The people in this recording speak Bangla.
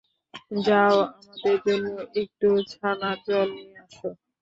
যাও, আমাদের জন্য একটু ছানার জল নিয়ে আসো।